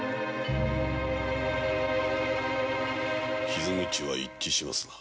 傷口は一致しますな。